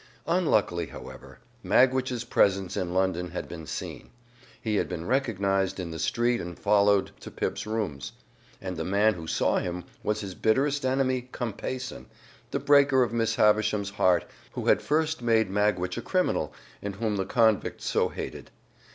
Unluckily, however, Magwitch's presence in London had been seen. He had been recognized in the street and followed to Pip's rooms. And the man who saw him was his bitterest enemy Compeyson, the breaker of Miss Havisham's heart, who had first made Magwitch a criminal, and whom the convict so hated.